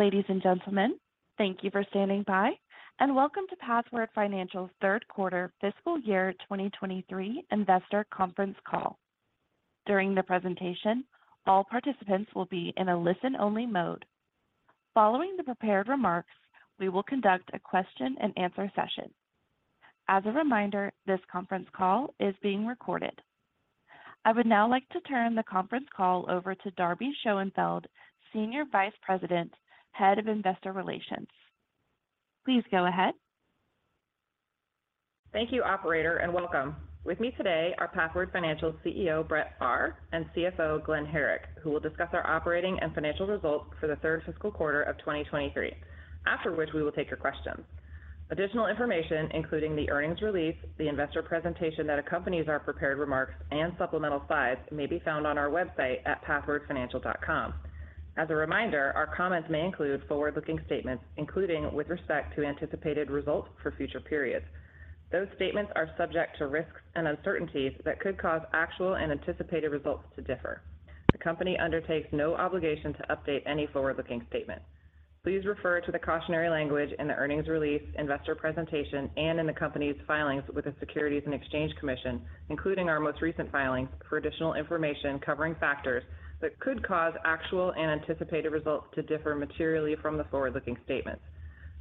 Ladies and gentlemen, thank you for standing by, and welcome to Pathward Financial's Q3 fiscal year 2023 investor conference call. During the presentation, all participants will be in a listen-only mode. Following the prepared remarks, we will conduct a question-and-answer session. As a reminder, this conference call is being recorded. I would now like to turn the conference call over to Darby Schoenfeld, Senior Vice President, Head of Investor Relations. Please go ahead. Thank you, operator, and welcome. With me today are Pathward Financial's CEO, Brett Pharr, and CFO, Greg Sigrist, who will discuss our operating and financial results for the third fiscal quarter of 2023. We will take your questions. Additional information, including the earnings release, the investor presentation that accompanies our prepared remarks, and supplemental slides, may be found on our website at pathwardfinancial.com. As a reminder, our comments may include forward-looking statements, including with respect to anticipated results for future periods. Those statements are subject to risks and uncertainties that could cause actual and anticipated results to differ. The company undertakes no obligation to update any forward-looking statement. Please refer to the cautionary language in the earnings release, investor presentation, and in the company's filings with the Securities and Exchange Commission, including our most recent filings for additional information covering factors that could cause actual and anticipated results to differ materially from the forward-looking statements.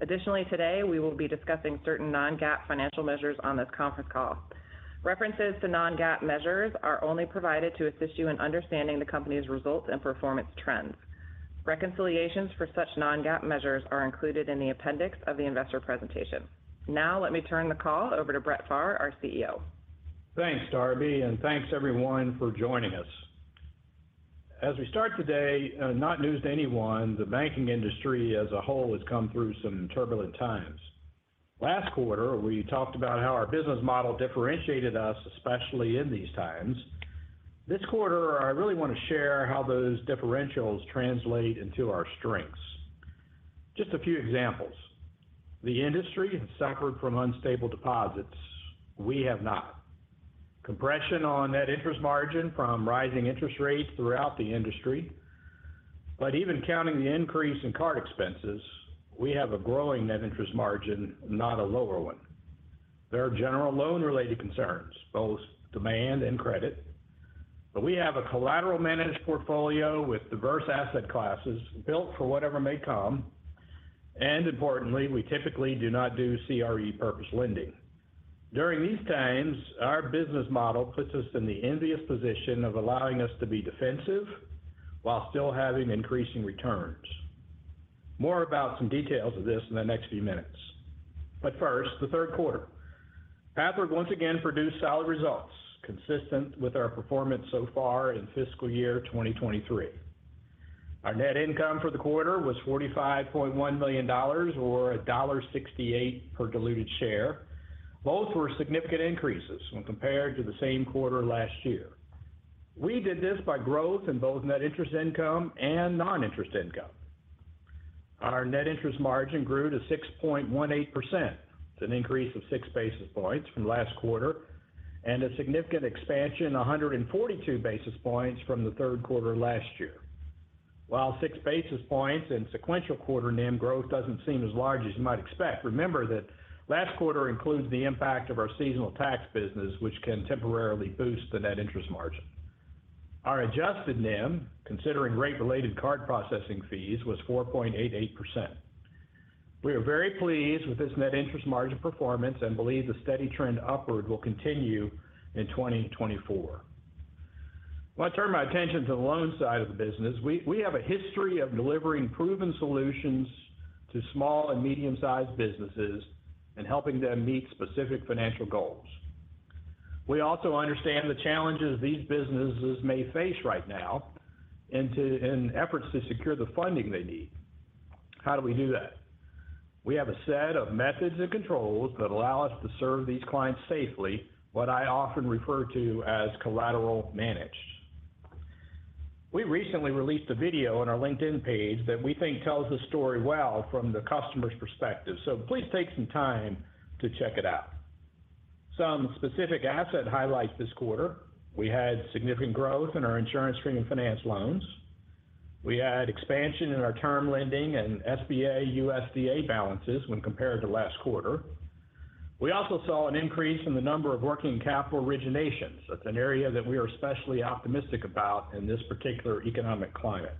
Additionally, today, we will be discussing certain non-GAAP financial measures on this conference call. References to non-GAAP measures are only provided to assist you in understanding the company's results and performance trends. Reconciliations for such non-GAAP measures are included in the appendix of the investor presentation. Now, let me turn the call over to Brett Pharr, our CEO. Thanks, Darby, and thanks, everyone, for joining us. As we start today, not news to anyone, the banking industry as a whole has come through some turbulent times. Last quarter, we talked about how our business model differentiated us, especially in these times. This quarter, I really want to share how those differentials translate into our strengths. Just a few examples. The industry has suffered from unstable deposits. We have not. Compression on net interest margin from rising interest rates throughout the industry, but even counting the increase in card expenses, we have a growing net interest margin, not a lower one. There are general loan-related concerns, both demand and credit, but we have a collateral-managed portfolio with diverse asset classes built for whatever may come, and importantly, we typically do not do CRE purpose lending. During these times, our business model puts us in the envious position of allowing us to be defensive while still having increasing returns. More about some details of this in the next few minutes. But first, the Q3. Pathward once again produced solid results, consistent with our performance so far in fiscal year 2023. Our net income for the quarter was $45.1 million or $1.68 per diluted share. Both were significant increases when compared to the same quarter last year. We did this by growth in both net interest income and non-interest income. Our net interest margin grew to 6.18%. It's an increase of 6 basis points from last quarter, and a significant expansion, 142 basis points from the Q3 last year. While 6 basis points and sequential quarter NIM growth doesn't seem as large as you might expect, remember that last quarter includes the impact of our seasonal tax business, which can temporarily boost the net interest margin. Our adjusted NIM, considering rate-related card processing fees, was 4.88%. We are very pleased with this net interest margin performance and believe the steady trend upward will continue in 2024. I want to turn my attention to the loan side of the business. We have a history of delivering proven solutions to small and medium-sized businesses and helping them meet specific financial goals. We also understand the challenges these businesses may face right now in efforts to secure the funding they need. How do we do that? We have a set of methods and controls that allow us to serve these clients safely, what I often refer to as collateral managed. We recently released a video on our LinkedIn page that we think tells the story well from the customer's perspective, please take some time to check it out. Some specific asset highlights this quarter. We had significant growth in our insurance premium finance loans. We had expansion in our term lending and SBA, USDA balances when compared to last quarter. We also saw an increase in the number of working capital originations. That's an area that we are especially optimistic about in this particular economic climate.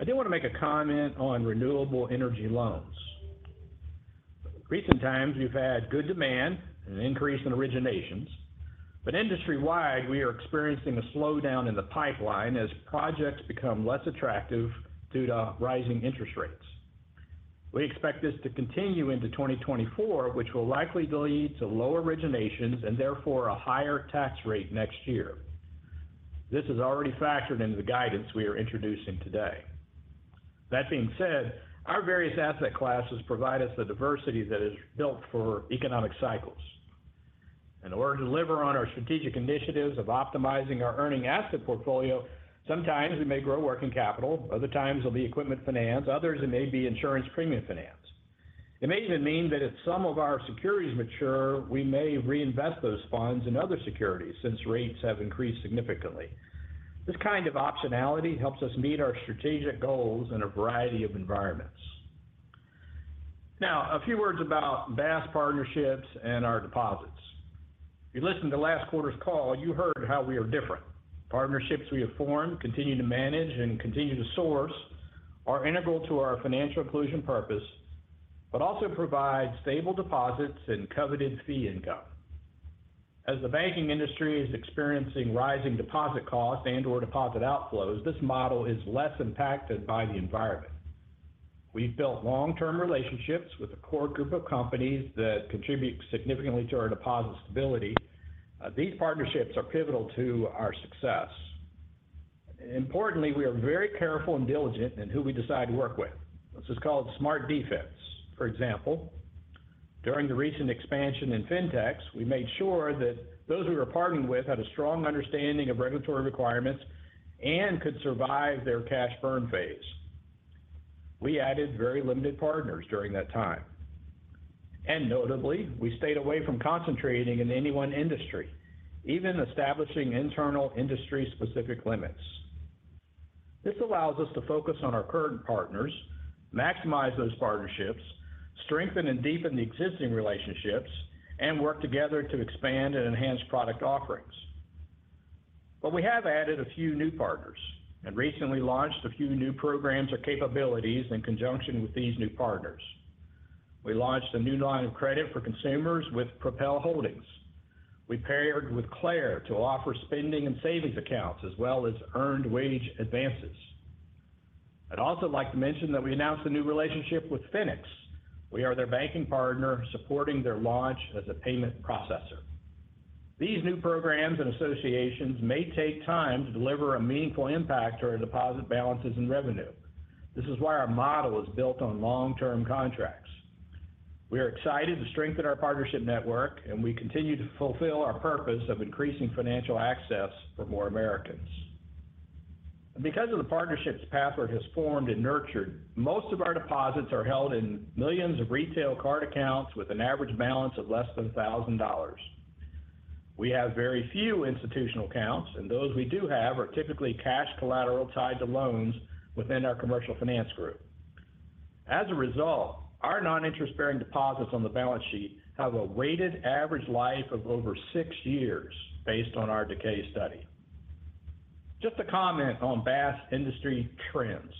I do want to make a comment on renewable energy loans. Recent times, we've had good demand and an increase in originations. Industry-wide, we are experiencing a slowdown in the pipeline as projects become less attractive due to rising interest rates. We expect this to continue into 2024, which will likely lead to lower originations and therefore a higher tax rate next year. This is already factored into the guidance we are introducing today. That being said, our various asset classes provide us the diversity that is built for economic cycles. In order to deliver on our strategic initiatives of optimizing our earning asset portfolio, sometimes we may grow working capital, other times it'll be equipment finance, others it may be insurance premium finance. It may even mean that if some of our securities mature, we may reinvest those funds in other securities since rates have increased significantly. This kind of optionality helps us meet our strategic goals in a variety of environments. A few words about BaaS partnerships and our deposits. If you listened to last quarter's call, you heard how we are different. Partnerships we have formed, continue to manage, and continue to source are integral to our financial inclusion purpose, also provide stable deposits and coveted fee income. As the banking industry is experiencing rising deposit costs and/or deposit outflows, this model is less impacted by the environment. We've built long-term relationships with a core group of companies that contribute significantly to our deposit stability. These partnerships are pivotal to our success. Importantly, we are very careful and diligent in who we decide to work with. This is called smart defense. For example, during the recent expansion in fintechs, we made sure that those we were partnering with had a strong understanding of regulatory requirements and could survive their cash burn phase. We added very limited partners during that time. Notably, we stayed away from concentrating in any one industry, even establishing internal industry-specific limits. This allows us to focus on our current partners, maximize those partnerships, strengthen and deepen the existing relationships, and work together to expand and enhance product offerings. We have added a few new partners and recently launched a few new programs or capabilities in conjunction with these new partners. We launched a new line of credit for consumers with Propel Holdings. We paired with Clair to offer spending and savings accounts, as well as earned wage advances. I'd also like to mention that we announced a new relationship with Finix. We are their banking partner, supporting their launch as a payment processor. These new programs and associations may take time to deliver a meaningful impact to our deposit balances and revenue. This is why our model is built on long-term contracts. We continue to fulfill our purpose of increasing financial access for more Americans. Because of the partnerships Pathward has formed and nurtured, most of our deposits are held in millions of retail card accounts with an average balance of less than $1,000. We have very few institutional accounts, and those we do have are typically cash collateral tied to loans within our commercial finance group. As a result, our non-interest-bearing deposits on the balance sheet have a weighted average life of over 6 years based on our decay study. Just a comment on BaaS industry trends.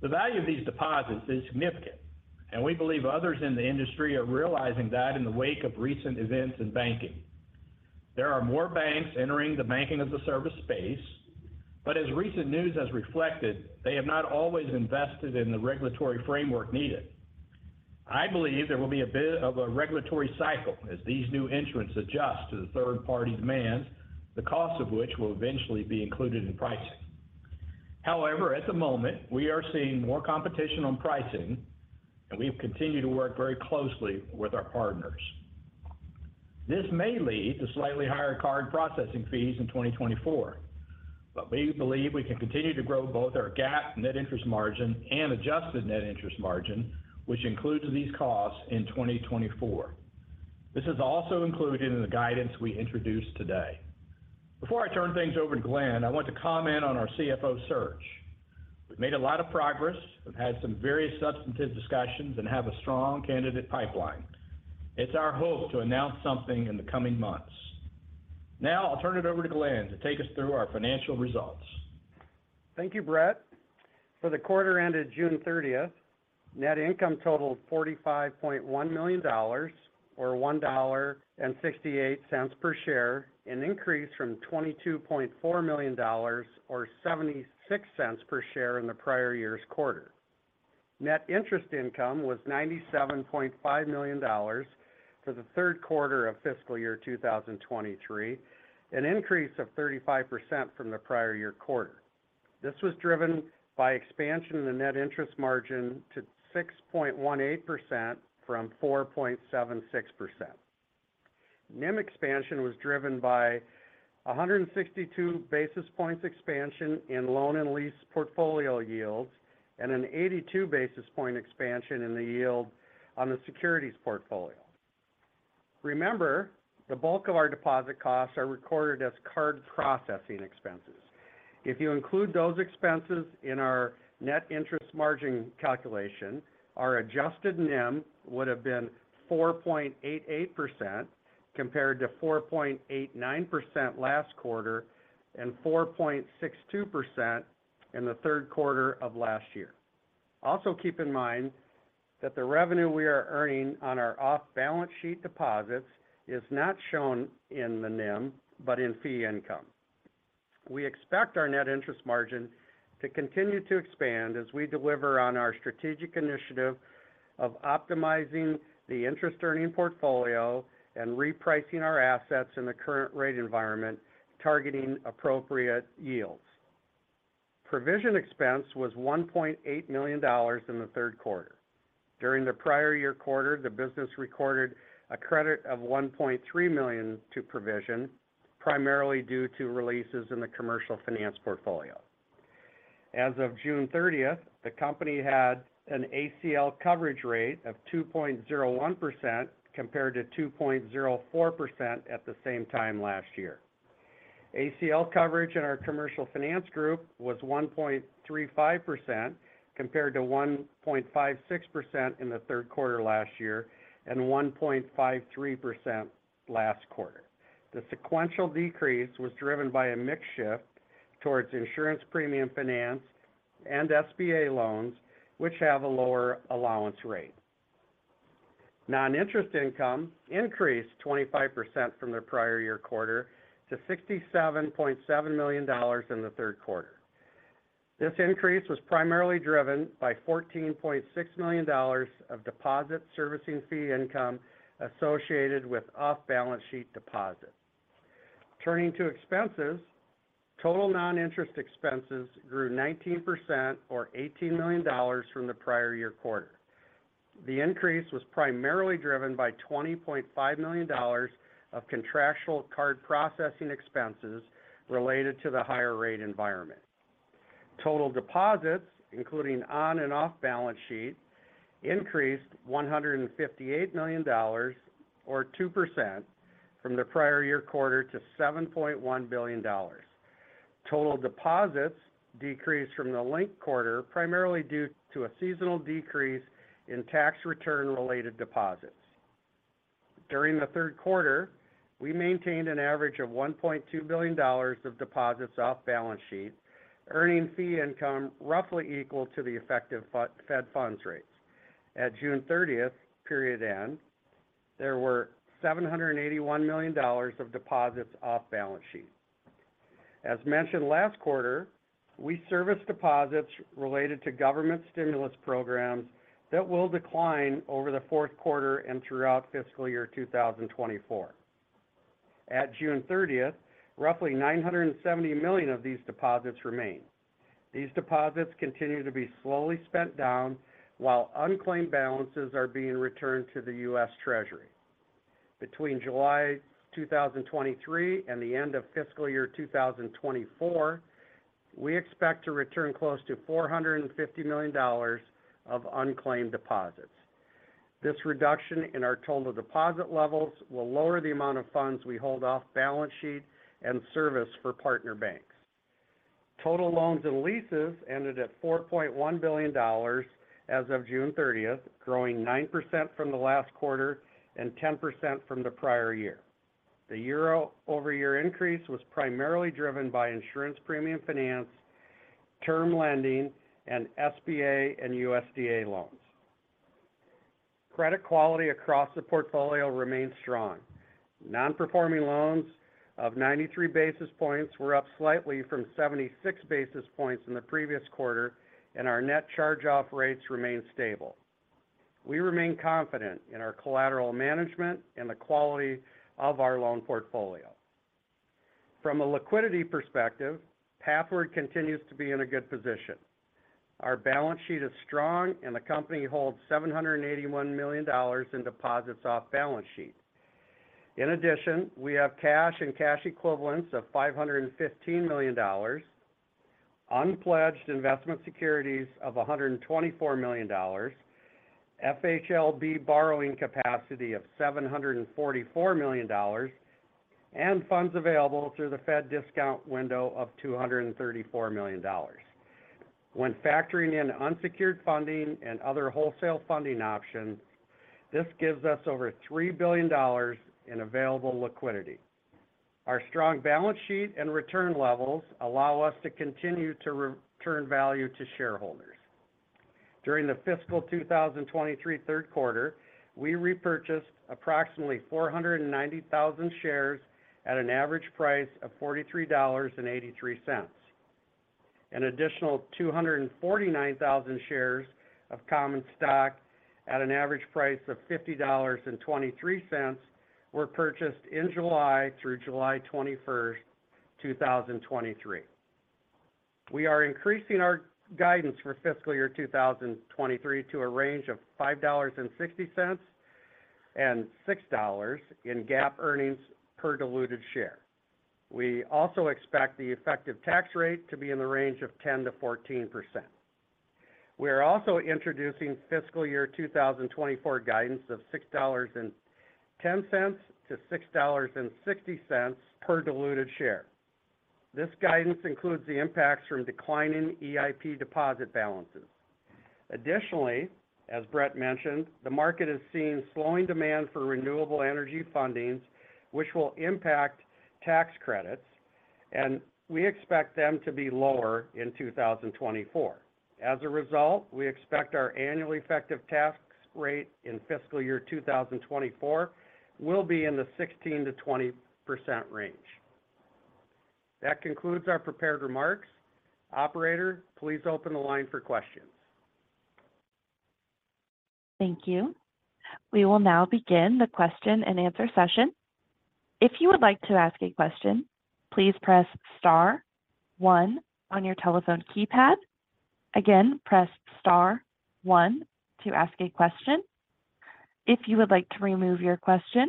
The value of these deposits is significant, and we believe others in the industry are realizing that in the wake of recent events in banking. There are more banks entering the Banking-as-a-Service space, but as recent news has reflected, they have not always invested in the regulatory framework needed. I believe there will be a bit of a regulatory cycle as these new entrants adjust to the third-party demands, the cost of which will eventually be included in pricing. At the moment, we are seeing more competition on pricing, and we've continued to work very closely with our partners. This may lead to slightly higher card processing fees in 2024, but we believe we can continue to grow both our GAAP net interest margin and adjusted net interest margin, which includes these costs in 2024. This is also included in the guidance we introduced today. Before I turn things over to Greg, I want to comment on our CFO search. We've made a lot of progress. We've had some various substantive discussions and have a strong candidate pipeline. It's our hope to announce something in the coming months. Now, I'll turn it over to Greg to take us through our financial results. Thank you, Brett. For the quarter ended June thirtieth, net income totaled $45.1 million or $1.68 per share, an increase from $22.4 million or $0.76 per share in the prior year's quarter. Net interest income was $97.5 million for the Q3 of fiscal year 2023, an increase of 35% from the prior year quarter. This was driven by expansion in the net interest margin to 6.18% from 4.76%. NIM expansion was driven by 162 basis points expansion in loan and lease portfolio yields and 82 basis points expansion in the yield on the securities portfolio. Remember, the bulk of our deposit costs are recorded as card processing expenses. If you include those expenses in our net interest margin calculation, our adjusted NIM would have been 4.88%, compared to 4.89% last quarter and 4.62% in the Q3 of last year. Keep in mind that the revenue we are earning on our off-balance sheet deposits is not shown in the NIM, but in fee income. We expect our net interest margin to continue to expand as we deliver on our strategic initiative of optimizing the interest-earning portfolio and repricing our assets in the current rate environment, targeting appropriate yields. Provision expense was $1.8 million in the Q3. During the prior year quarter, the business recorded a credit of $1.3 million to provision, primarily due to releases in the commercial finance portfolio. As of June 30, the company had an ACL coverage rate of 2.01% compared to 2.04% at the same time last year. ACL coverage in our commercial finance group was 1.35%, compared to 1.56% in the Q3 last year and 1.53% last quarter. The sequential decrease was driven by a mix shift towards insurance premium finance and SBA loans, which have a lower allowance rate. Non-interest income increased 25% from the prior year quarter to $67.7 million in the Q3. This increase was primarily driven by $14.6 million of deposit servicing fee income associated with off-balance sheet deposits. Turning to expenses, total non-interest expenses grew 19% or $18 million from the prior year quarter. The increase was primarily driven by $20.5 million of contractual card processing expenses related to the higher rate environment. Total deposits, including on and off-balance sheet, increased $158 million or 2% from the prior year quarter to $7.1 billion. Total deposits decreased from the linked quarter, primarily due to a seasonal decrease in tax return-related deposits. During the Q3, we maintained an average of $1.2 billion of deposits off-balance sheet, earning fee income roughly equal to the effective Fed funds rates. At June thirtieth, period end, there were $781 million of deposits off balance sheet. As mentioned last quarter, we service deposits related to government stimulus programs that will decline over the Q4 and throughout fiscal year 2024. At June thirtieth, roughly $970 million of these deposits remain. These deposits continue to be slowly spent down, while unclaimed balances are being returned to the U.S. Treasury. Between July 2023 and the end of fiscal year 2024, we expect to return close to $450 million of unclaimed deposits. This reduction in our total deposit levels will lower the amount of funds we hold off balance sheet and service for partner banks. Total loans and leases ended at $4.1 billion as of June 30th, growing 9% from the last quarter and 10% from the prior year. The year-over-year increase was primarily driven by insurance premium finance, term lending, and SBA and USDA loans. Credit quality across the portfolio remains strong. Non-performing loans of 93 basis points were up slightly from 76 basis points in the previous quarter, and our net charge-off rates remain stable. We remain confident in our collateral management and the quality of our loan portfolio. From a liquidity perspective, Pathward continues to be in a good position. Our balance sheet is strong and the company holds $781 million in deposits off balance sheet. We have cash and cash equivalents of $515 million, unpledged investment securities of $124 million, FHLB borrowing capacity of $744 million, and funds available through the Fed discount window of $234 million. When factoring in unsecured funding and other wholesale funding options, this gives us over $3 billion in available liquidity. Our strong balance sheet and return levels allow us to continue to return value to shareholders. During the fiscal 2023 Q3, we repurchased approximately 490,000 shares at an average price of $43.83. Additional 249,000 shares of common stock at an average price of $50.23 were purchased in July through July 21, 2023. We are increasing our guidance for fiscal year 2023 to a range of $5.60 and $6.00 in GAAP earnings per diluted share. We also expect the effective tax rate to be in the range of 10%-14%. We are also introducing fiscal year 2024 guidance of $6.10-$6.60 per diluted share. This guidance includes the impacts from declining EIP deposit balances. Additionally, as Brett mentioned, the market is seeing slowing demand for renewable energy fundings, which will impact tax credits, and we expect them to be lower in 2024. As a result, we expect our annual effective tax rate in fiscal year 2024 will be in the 16%-20% range. That concludes our prepared remarks. Operator, please open the line for questions. Thank you. We will now begin the question and answer session. If you would like to ask a question, please press star one on your telephone keypad. Again, press star one to ask a question. If you would like to remove your question,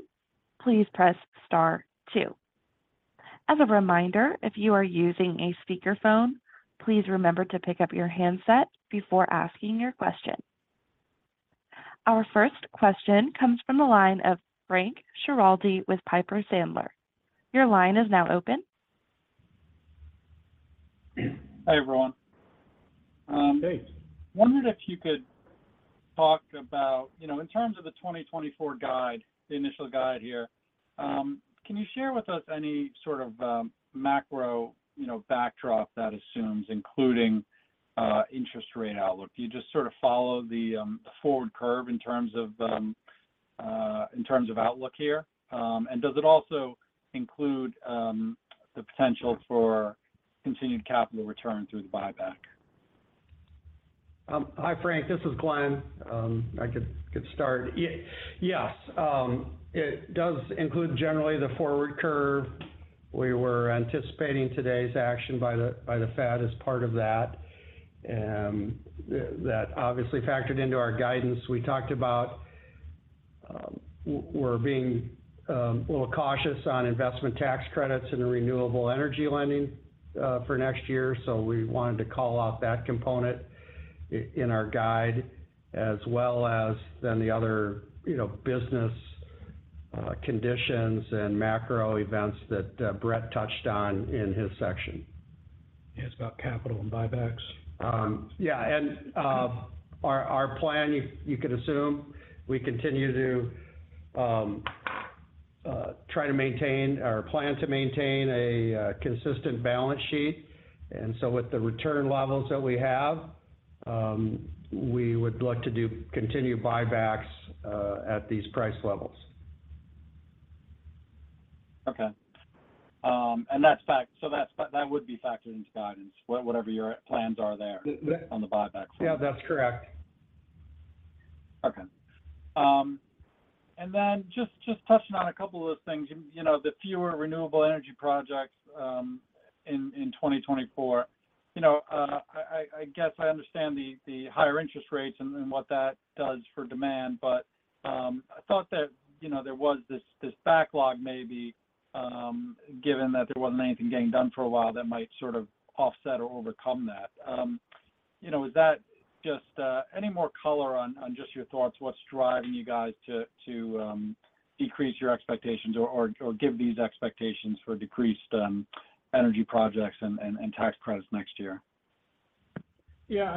please press star two. As a reminder, if you are using a speakerphone, please remember to pick up your handset before asking your question. Our first question comes from the line of Frank Schiraldi with Piper Sandler. Your line is now open. Hi, everyone. Hey. Wondered if you could talk about, you know, in terms of the 2024 guide, the initial guide here, can you share with us any sort of, macro, you know, backdrop that assumes, including, interest rate outlook? Do you just sort of follow the forward curve in terms of, in terms of outlook here? And does it also include, the potential for continued capital return through the buyback? Hi, Frank, this is Greg. I could start. Yes, it does include generally the forward curve. We were anticipating today's action by the Fed as part of that. That obviously factored into our guidance. We talked about we're being a little cautious on investment tax credits and renewable energy lending for next year. We wanted to call out that component in our guide, as well as the other, you know, business conditions and macro events that Brett touched on in his section. Yes, about capital and buybacks. Yeah. Our plan, you can assume we continue to try to maintain or plan to maintain a consistent balance sheet. With the return levels that we have, we would look to continue buybacks at these price levels. Okay. That would be factored into guidance, whatever your plans are there. Th- th- on the buyback side? Yeah, that's correct. Okay. And then just touching on a couple of things. You know, the fewer renewable energy projects in 2024, you know, I guess I understand the higher interest rates and what that does for demand. I thought that, you know, there was this backlog maybe, given that there wasn't anything getting done for a while that might sort of offset or overcome that. You know, is that just any more color on just your thoughts, what's driving you guys to decrease your expectations or give these expectations for decreased energy projects and tax credits next year? Yeah,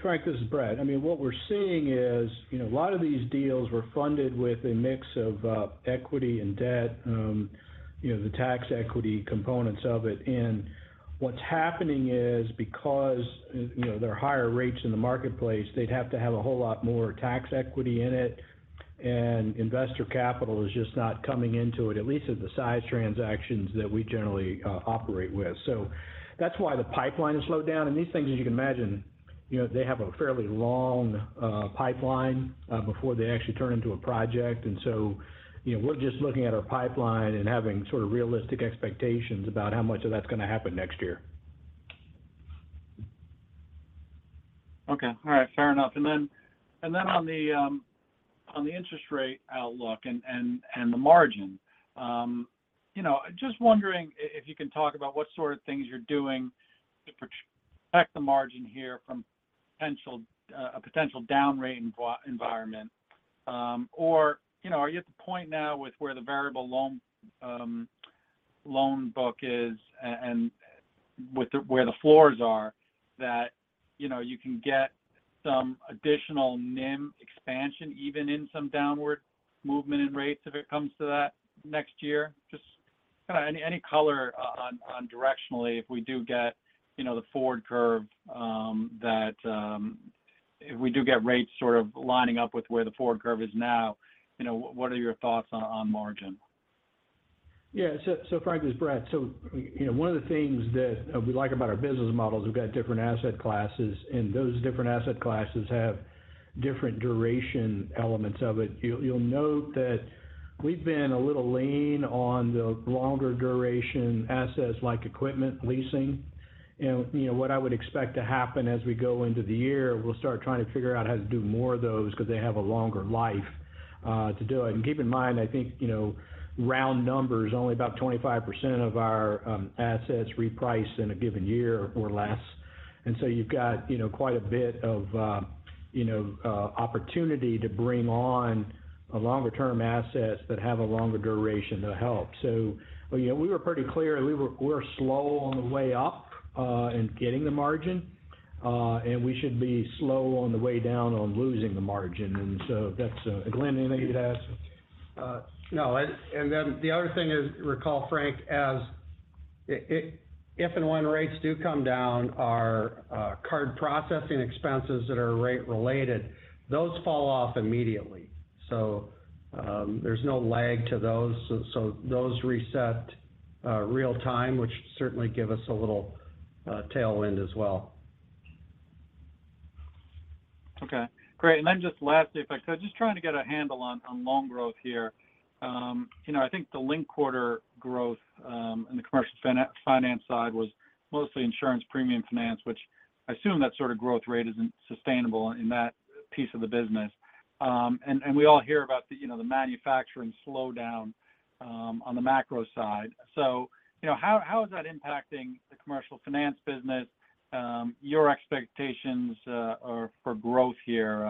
Frank, this is Brett. I mean, what we're seeing is, you know, a lot of these deals were funded with a mix of equity and debt, you know, the tax equity components of it. What's happening is, because, you know, there are higher rates in the marketplace, they'd have to have a whole lot more tax equity in it, and investor capital is just not coming into it, at least at the size transactions that we generally operate with. That's why the pipeline has slowed down. These things, as you can imagine, you know, they have a fairly long pipeline before they actually turn into a project. You know, we're just looking at our pipeline and having sort of realistic expectations about how much of that's going to happen next year. Okay. All right. Fair enough. On the interest rate outlook and the margin, you know, just wondering if you can talk about what sort of things you're doing to protect the margin here from potential a potential down rate environment. Are you at the point now with where the variable loan book is and with where the floors are, that, you know, you can get some additional NIM expansion, even in some downward movement in rates if it comes to that next year? Just kind of any color, on directionally, if we do get, you know, the forward curve, that, if we do get rates sort of lining up with where the forward curve is now, you know, what are your thoughts on margin? Yeah. Frank, this is Brett. you know, one of the things that we like about our business models, we've got different asset classes, and those different asset classes have different duration elements of it. You'll note that we've been a little lean on the longer duration assets like equipment leasing. you know, what I would expect to happen as we go into the year, we'll start trying to figure out how to do more of those because they have a longer life to do it. keep in mind, I think, you know, round numbers, only about 25% of our assets reprice in a given year or less. you've got, you know, quite a bit of opportunity to bring on a longer-term assets that have a longer duration to help. You know, we were pretty clear. We're slow on the way up in getting the margin, and we should be slow on the way down on losing the margin. That's. Greg, anything you'd add? No. Then the other thing is, recall, Frank, as if and when rates do come down, our card processing expenses that are rate related, those fall off immediately. There's no lag to those, so those reset real time, which certainly give us a little tailwind as well. Okay, great. Then just lastly, if I could, just trying to get a handle on loan growth here. You know, I think the linked quarter growth in the commercial finance side was mostly insurance premium finance, which I assume that sort of growth rate isn't sustainable in that piece of the business. We all hear about the, you know, the manufacturing slowdown on the macro side. You know, how is that impacting the commercial finance business, your expectations, or for growth here,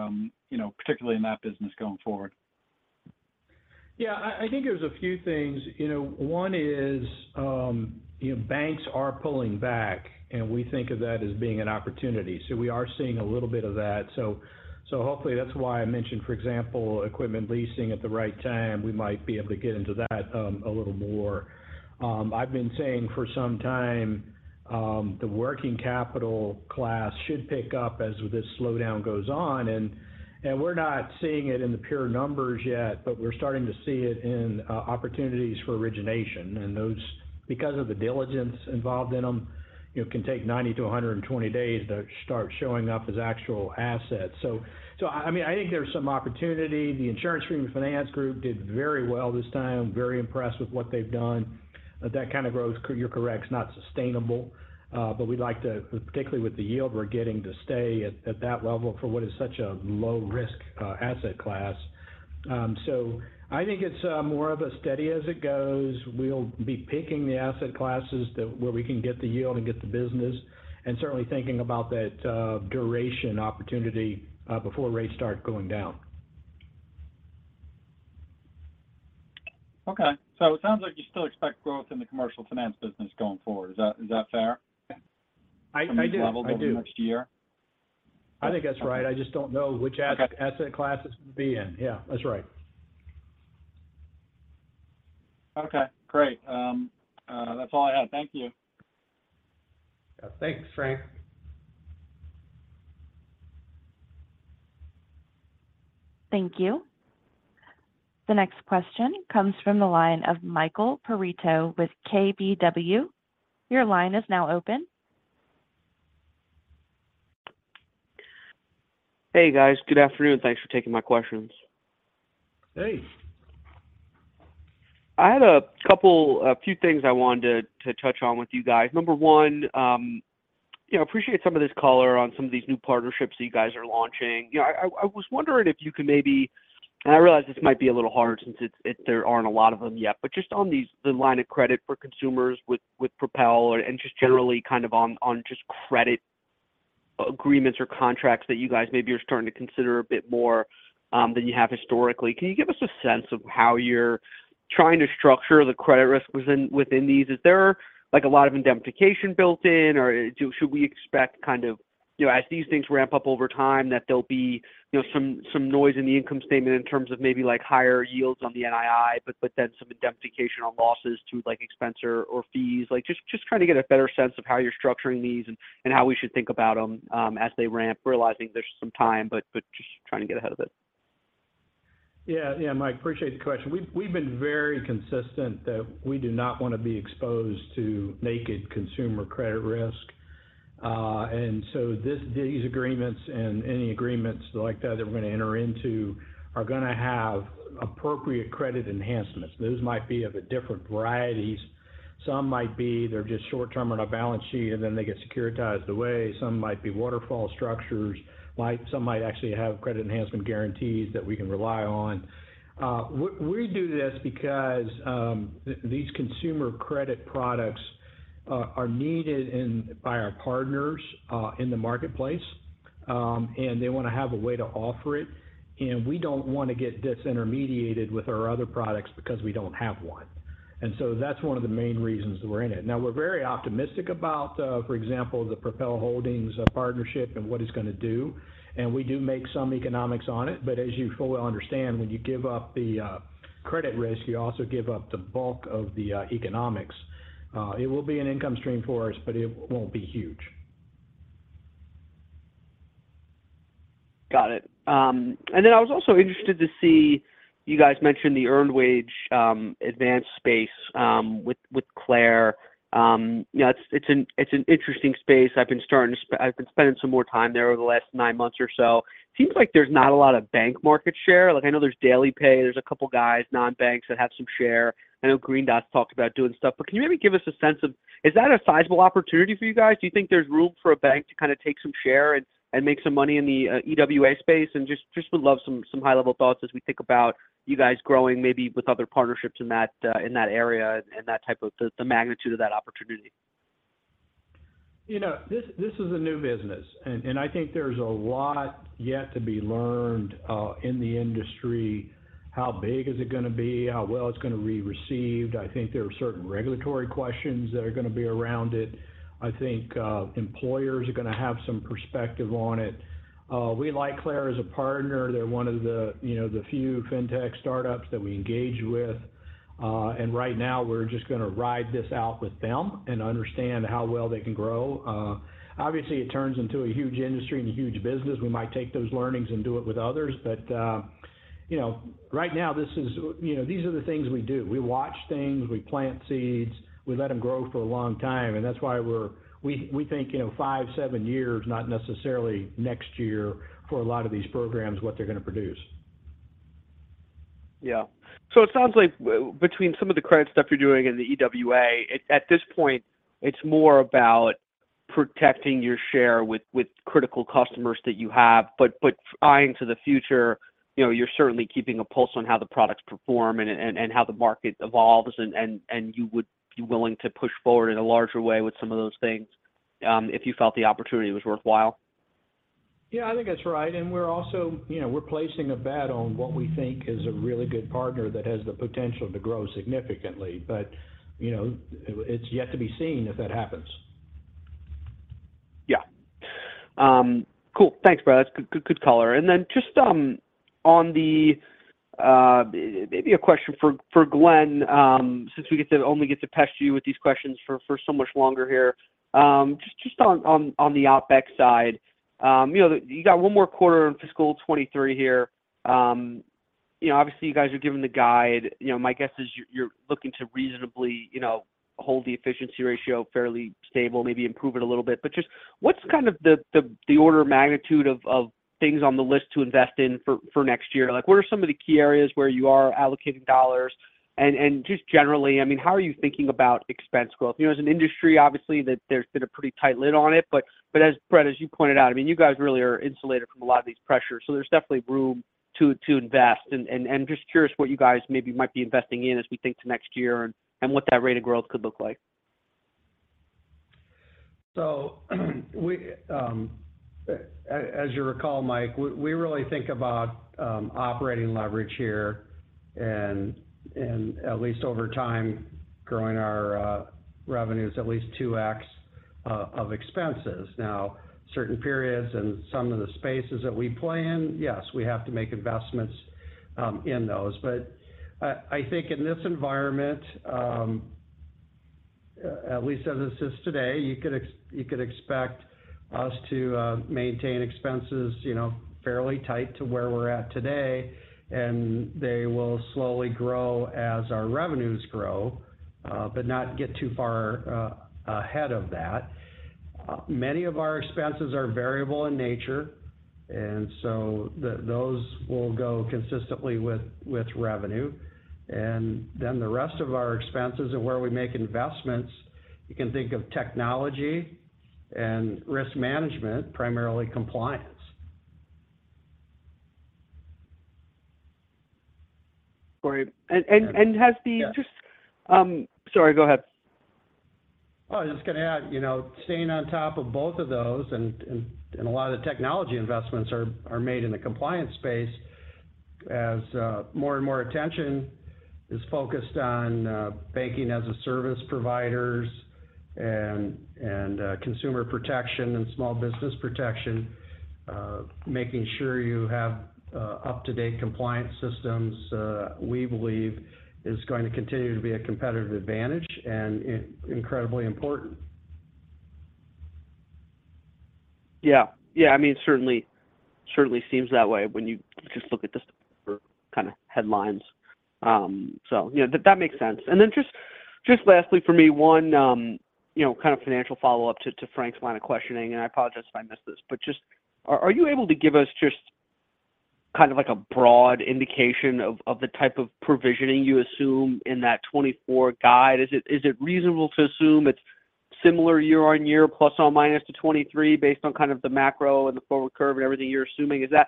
you know, particularly in that business going forward? Yeah, I think there's a few things. You know, one is, you know, banks are pulling back, and we think of that as being an opportunity. We are seeing a little bit of that. Hopefully that's why I mentioned, for example, equipment leasing at the right time. We might be able to get into that a little more. I've been saying for some time, the working capital class should pick up as this slowdown goes on. We're not seeing it in the pure numbers yet, but we're starting to see it in opportunities for origination. Those, because of the diligence involved in them, you know, can take 90-120 days to start showing up as actual assets. I mean, I think there's some opportunity. The insurance premium finance group did very well this time, very impressed with what they've done. That kind of growth, you're correct, is not sustainable, but we'd like to, particularly with the yield we're getting, to stay at that level for what is such a low-risk, asset class. I think it's more of a steady as it goes. We'll be picking the asset classes that where we can get the yield and get the business, and certainly thinking about that, duration opportunity, before rates start going down. Okay. It sounds like you still expect growth in the commercial finance business going forward, is that fair? I do. From the level over next year? I think that's right. I just don't know. Okay asset class it's going to be in. Yeah, that's right. Okay, great. That's all I had. Thank you. Yeah, thanks, Frank. Thank you. The next question comes from the line of Michael Perito with KBW. Your line is now open. Hey, guys. Good afternoon, thanks for taking my questions. Hey. I had a couple, a few things I wanted to touch on with you guys. Number one, you know, appreciate some of this color on some of these new partnerships that you guys are launching. You know, I was wondering if you could maybe and I realize this might be a little hard since it's, there aren't a lot of them yet. Just on these, the line of credit for consumers with Propel and just generally kind of on just credit agreements or contracts that you guys maybe are starting to consider a bit more than you have historically. Can you give us a sense of how you're trying to structure the credit risk within these? Is there, like, a lot of indemnification built in, or should we expect kind of, you know, as these things ramp up over time, that there'll be, you know, some noise in the income statement in terms of maybe like higher yields on the NII, but then some indemnification on losses to, like, expense or fees? Like, just trying to get a better sense of how you're structuring these and how we should think about them, as they ramp, realizing there's some time, but just trying to get ahead of it. Yeah. Yeah, Mike, appreciate the question. We've, we've been very consistent that we do not want to be exposed to naked consumer credit risk. These agreements and any agreements like that we're going to enter into are going to have appropriate credit enhancements. Those might be of a different varieties. Some might be they're just short term on a balance sheet, and then they get securitized away. Some might be waterfall structures. Some might actually have credit enhancement guarantees that we can rely on. We, we do this because, the, these consumer credit products, are needed by our partners, in the marketplace, and they want to have a way to offer it. We don't want to get disintermediated with our other products because we don't have one. That's one of the main reasons that we're in it. Now, we're very optimistic about, for example, the Propel Holdings partnership and what it's going to do, and we do make some economics on it. As you fully understand, when you give up the credit risk, you also give up the bulk of the economics. It will be an income stream for us, but it won't be huge. Got it. Then I was also interested to see you guys mention the earned wage advance space with Clair. You know, it's an interesting space. I've been spending some more time there over the last 9 months or so. Seems like there's not a lot of bank market share. I know there's DailyPay, there's a couple of guys, non-banks, that have some share. I know Green Dot's talked about doing stuff. Can you maybe give us a sense of, is that a sizable opportunity for you guys? Do you think there's room for a bank to kind of take some share and make some money in the EWA space? Just would love some high-level thoughts as we think about you guys growing maybe with other partnerships in that, in that area and that type of the magnitude of that opportunity. You know, this is a new business, and I think there's a lot yet to be learned in the industry. How big is it going to be? How well it's going to be received? I think there are certain regulatory questions that are going to be around it. I think employers are going to have some perspective on it. We like Clair as a partner. They're one of the, you know, the few fintech startups that we engage with. Right now, we're just going to ride this out with them and understand how well they can grow. Obviously, it turns into a huge industry and a huge business, we might take those learnings and do it with others. You know, right now, this is, you know, these are the things we do. We watch things, we plant seeds, we let them grow for a long time. That's why we think, you know, 5, 7 years, not necessarily next year, for a lot of these programs, what they're going to produce. Yeah. It sounds like between some of the credit stuff you're doing and the EWA, at this point, it's more about protecting your share with critical customers that you have, but eyeing to the future, you know, you're certainly keeping a pulse on how the products perform and how the market evolves, and you would be willing to push forward in a larger way with some of those things, if you felt the opportunity was worthwhile? Yeah, I think that's right. We're you know, we're placing a bet on what we think is a really good partner that has the potential to grow significantly. You know, it's yet to be seen if that happens. Yeah. Cool. Thanks, Brett. That's good color. Just on the, maybe a question for Greg, since we only get to pester you with these questions for so much longer here. Just on the OpEx side. You know, you got one more quarter in fiscal 2023 here. You know, obviously, you guys are giving the guide. You know, my guess is you're looking to reasonably, you know, hold the efficiency ratio fairly stable, maybe improve it a little bit. Just what's kind of the order of magnitude of things on the list to invest in for next year? Like, what are some of the key areas where you are allocating dollars? And just generally, I mean, how are you thinking about expense growth? Yu know, as an industry, obviously, that there's been a pretty tight lid on it, but as Brett, as you pointed out, I mean, you guys really are insulated from a lot of these pressures, so there's definitely room to invest. Just curious what you guys maybe might be investing in as we think to next year and what that rate of growth could look like? We, as you recall, Mike, we really think about operating leverage here, and at least over time, growing our revenues at least 2x of expenses. Certain periods and some of the spaces that we play in, yes, we have to make investments in those. I think in this environment, at least as it is today, you could expect us to maintain expenses, you know, fairly tight to where we're at today, and they will slowly grow as our revenues grow, but not get too far ahead of that. Many of our expenses are variable in nature, those will go consistently with revenue. The rest of our expenses and where we make investments, you can think of technology and risk management, primarily compliance. Great. Has the- Yes. Sorry, go ahead. I was just going to add, you know, staying on top of both of those and a lot of the technology investments are made in the compliance space as more and more attention is focused on Banking-as-a-Service providers and consumer protection and small business protection. Making sure you have up-to-date compliance systems, we believe is going to continue to be a competitive advantage and incredibly important. Yeah, I mean, it certainly seems that way when you just look at the kind of headlines. You know, that makes sense. Then just lastly for me, one, you know, kind of financial follow-up to Frank's line of questioning, and I apologize if I missed this. Are you able to give us just kind of like a broad indication of the type of provisioning you assume in that 2024 guide? Is it reasonable to assume it's similar year-over-year, ± to 2023, based on kind of the macro and the forward curve and everything you're assuming? Is that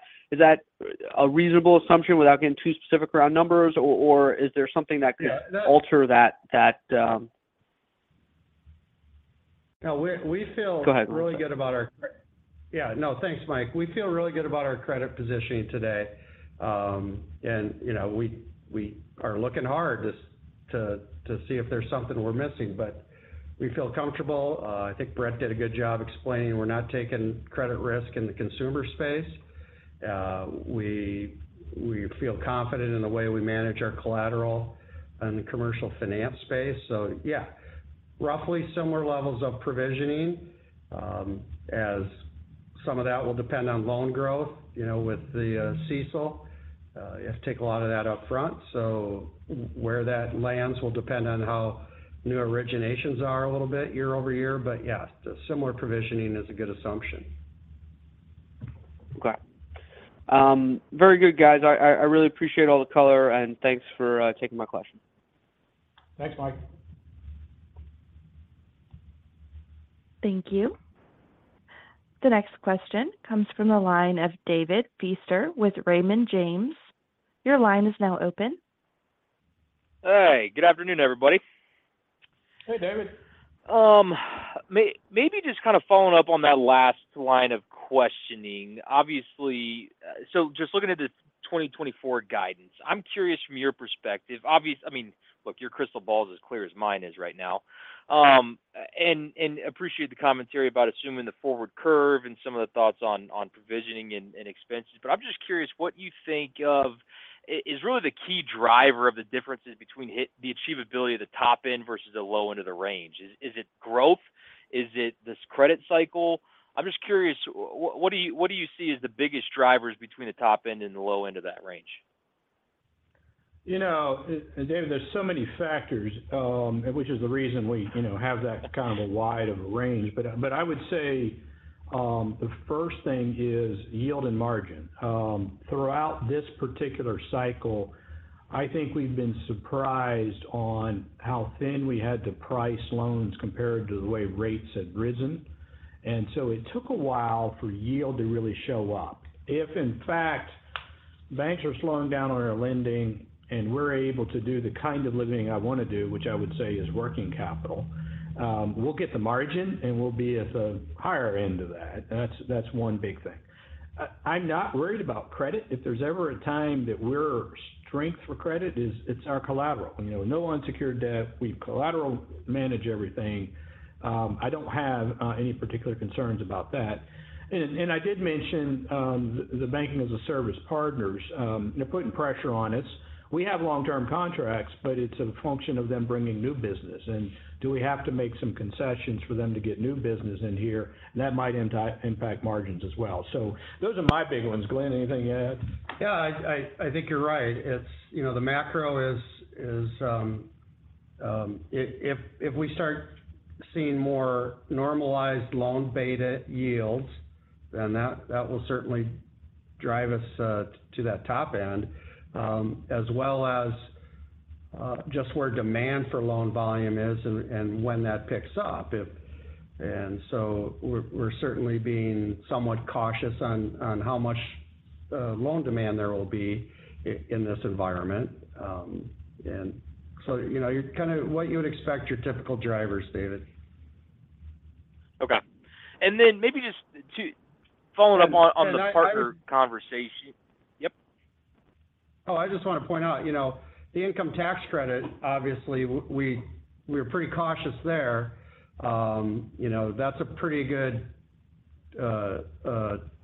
a reasonable assumption without getting too specific around numbers, or is there something that could. Yeah. alter that... No, we. Go ahead. really good about our. Yeah, no, thanks, Mike. We feel really good about our credit positioning today. You know, we are looking hard just to see if there's something we're missing, but we feel comfortable. I think Brett did a good job explaining we're not taking credit risk in the consumer space. We feel confident in the way we manage our collateral in the commercial finance space. Yeah, roughly similar levels of provisioning, as some of that will depend on loan growth, you know, with the CECL. You have to take a lot of that up front, so where that lands will depend on how new originations are a little bit year-over-year. Yeah, similar provisioning is a good assumption. Okay. Very good, guys. I really appreciate all the color. Thanks for taking my questions. Thanks, Mike. Thank you. The next question comes from the line of David Feaster with Raymond James. Your line is now open. Hey, good afternoon, everybody. Hey, David. Just kind of following up on that last line of questioning. Just looking at the 2024 guidance, I'm curious from your perspective. I mean, look, your crystal ball is as clear as mine is right now. Appreciate the commentary about assuming the forward curve and some of the thoughts on provisioning and expenses. I'm just curious what you think is really the key driver of the differences between the achievability of the top end versus the low end of the range. Is it growth? Is it this credit cycle? I'm just curious, what do you see as the biggest drivers between the top end and the low end of that range? You know, David, there's so many factors, which is the reason we, you know, have that kind of a wide of a range. The first thing is yield and margin. Throughout this particular cycle, I think we've been surprised on how thin we had to price loans compared to the way rates had risen. It took a while for yield to really show up. If, in fact, banks are slowing down on our lending and we're able to do the kind of lending I want to do, which I would say is working capital, we'll get the margin, and we'll be at the higher end of that. That's one big thing. I'm not worried about credit. If there's ever a time that we're strength for credit, it's our collateral. You know, no unsecured debt, we collateral manage everything. I don't have any particular concerns about that. I did mention the Banking-as-a-Service partners. They're putting pressure on us. We have long-term contracts, but it's a function of them bringing new business. Do we have to make some concessions for them to get new business in here? That might impact margins as well. Those are my big ones. Greg, anything to add? Yeah, I think you're right. You know, the macro is. If we start seeing more normalized loan beta yields, that will certainly drive us to that top end, as well as just where demand for loan volume is and when that picks up. We're certainly being somewhat cautious on how much loan demand there will be in this environment. You know, you're kind of what you would expect, your typical drivers, David. Okay. Maybe just following up on the partner conversation. Yep. Oh, I just want to point out, you know, the income tax credit, obviously, we're pretty cautious there. You know, that's a pretty good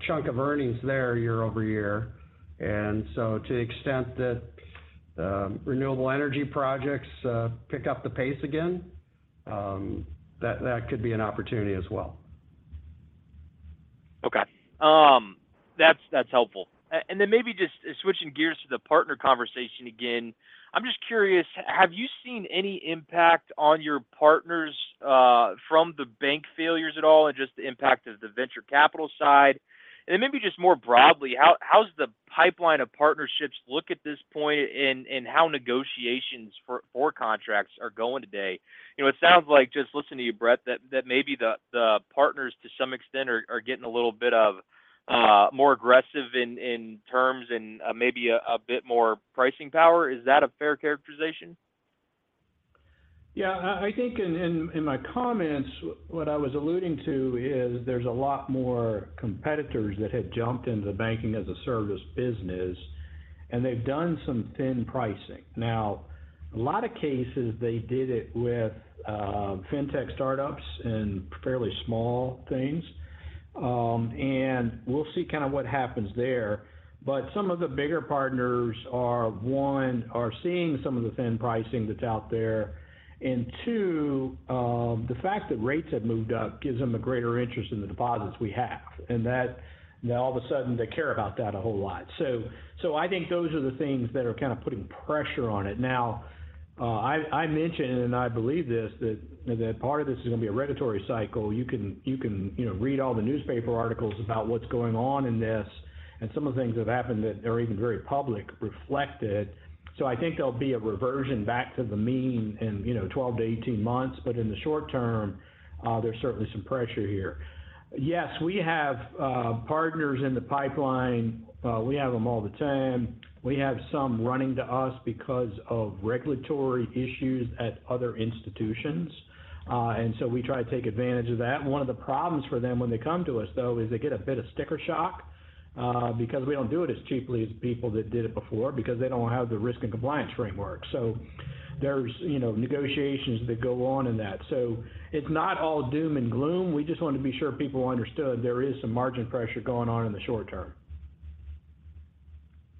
chunk of earnings there year-over-year. To the extent that renewable energy projects pick up the pace again, that could be an opportunity as well. Okay. That's helpful. Maybe just switching gears to the partner conversation again. I'm just curious, have you seen any impact on your partners from the bank failures at all, and just the impact of the venture capital side? Maybe just more broadly, how's the pipeline of partnerships look at this point, and how negotiations for contracts are going today? You know, it sounds like, just listening to you, Brett, that maybe the partners, to some extent, are getting a little bit of more aggressive in terms and maybe a bit more pricing power. Is that a fair characterization? Yeah, I think in my comments, what I was alluding to is there's a lot more competitors that have jumped into the Banking-as-a-Service business, and they've done some thin pricing. Now, a lot of cases, they did it with fintech startups and fairly small things. We'll see kind of what happens there. Some of the bigger partners are: one, are seeing some of the thin pricing that's out there, and two, the fact that rates have moved up gives them a greater interest in the deposits we have, and that now all of a sudden, they care about that a whole lot. I think those are the things that are kind of putting pressure on it. Now, I mentioned, and I believe this, that part of this is going to be a regulatory cycle. You can, you know, read all the newspaper articles about what's going on in this, and some of the things have happened that are even very public reflected. I think there'll be a reversion back to the mean in, you know, 12 to 18 months, but in the short term, there's certainly some pressure here. Yes, we have partners in the pipeline. We have them all the time. We have some running to us because of regulatory issues at other institutions, and so we try to take advantage of that. One of the problems for them when they come to us, though, is they get a bit of sticker shock, because we don't do it as cheaply as people that did it before, because they don't have the risk and compliance framework. There's, you know, negotiations that go on in that. It's not all doom and gloom. We just wanted to be sure people understood there is some margin pressure going on in the short term.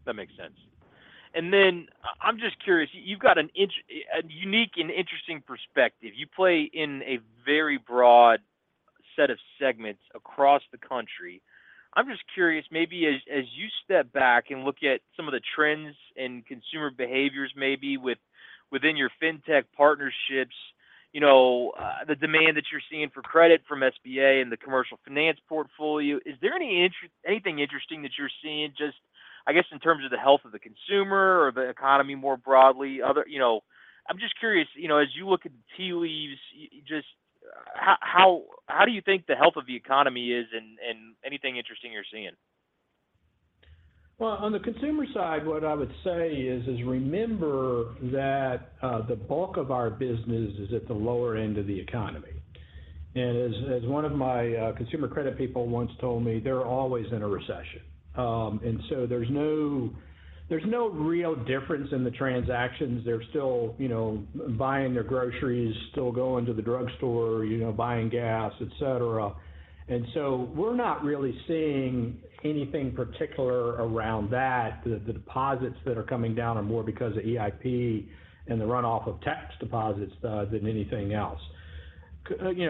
That makes sense. I'm just curious, you've got a unique and interesting perspective. You play in a very broad set of segments across the country. I'm just curious, maybe as you step back and look at some of the trends and consumer behaviors, maybe within your fintech partnerships, you know, the demand that you're seeing for credit from SBA and the commercial finance portfolio, is there anything interesting that you're seeing, just, I guess, in terms of the health of the consumer or the economy more broadly, other... You know, I'm just curious, you know, as you look at the tea leaves, just how do you think the health of the economy is and anything interesting you're seeing? Well, on the consumer side, what I would say is remember that the bulk of our business is at the lower end of the economy. As one of my consumer credit people once told me, they're always in a recession. There's no real difference in the transactions. They're still, you know, buying their groceries, still going to the drugstore, you know, buying gas, et cetera. We're not really seeing anything particular around that. The deposits that are coming down are more because of EIP and the runoff of tax deposits than anything else.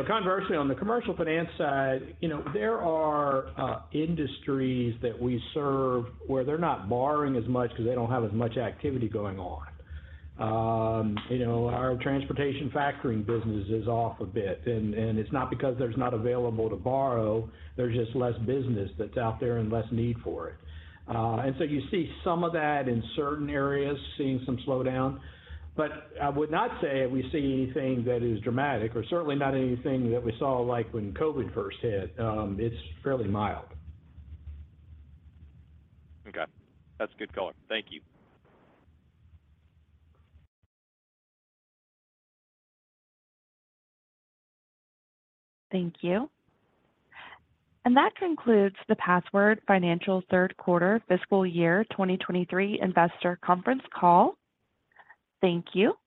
Conversely, on the commercial finance side, you know, there are industries that we serve where they're not borrowing as much because they don't have as much activity going on. You know, our transportation factoring business is off a bit, and it's not because there's not available to borrow, there's just less business that's out there and less need for it. You see some of that in certain areas, seeing some slowdown. I would not say we see anything that is dramatic or certainly not anything that we saw like when COVID first hit. It's fairly mild. Okay. That's a good color. Thank you. Thank you. That concludes the Pathward Financial Q3 fiscal year 2023 investor conference call. Thank you.